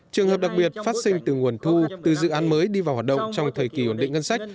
trường hợp đặc biệt phát sinh từ nguồn thu từ dự án mới đi vào hoạt động trong thời kỳ ổn định ngân sách